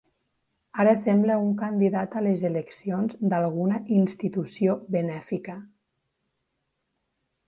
Ara sembla un candidat a les eleccions d'alguna institució benèfica.